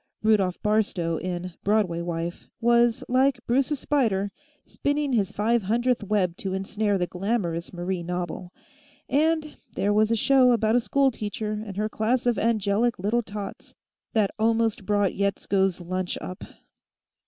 Rudolf Barstow, in "Broadway Wife," was, like Bruce's spider, spinning his five hundredth web to ensnare the glamorous Marie Knobble. And there was a show about a schoolteacher and her class of angelic little tots that almost brought Yetsko's lunch up.